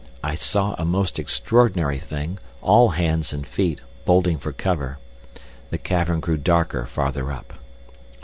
I saw a most extraordinary thing, all hands and feet, bolting for cover. The cavern grew darker farther up.